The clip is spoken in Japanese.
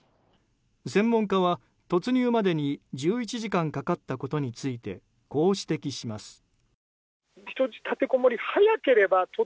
専門家は突入までに１１時間かかったことについてこう指摘します。